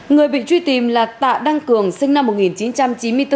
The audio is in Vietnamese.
người bị truy tìm là tạ đăng cường sinh năm một nghìn chín trăm chín mươi bốn